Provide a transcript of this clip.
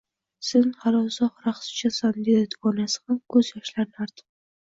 Sen hali uzoq raqs tushasan, dedi dugonasi ham ko`z yoshlarini artib